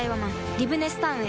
リブネスタウンへ